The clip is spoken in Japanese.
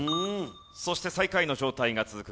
そして最下位の状態が続く